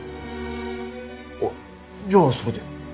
おっじゃあそれで。